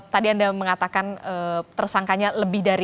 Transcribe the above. tadi anda mengatakan tersangkanya bisa lebih dari enam belas